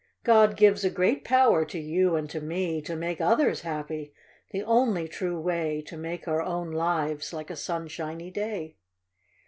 God gives a great power to you and to me To make others happy, — the only true way To make our own lives like a sunshiny day.